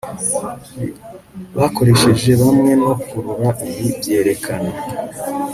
bakoresheje hamwe no kurura Ibi byerekana